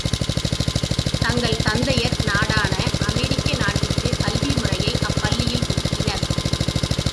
தங்கள் தந்தையர் நாடான அமெரிக்க நாட்டுக்குக் கல்வி முறையை அப்பள்ளியில் புகுத்தினர்.